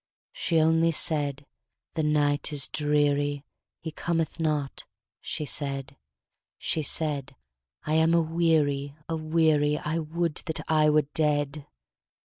She only said, 'The night is dreary, He cometh not,' she said; She said, 'I am aweary, aweary, I would that I were dead!'